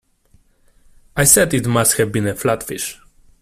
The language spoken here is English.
I said it must have been a flatfish.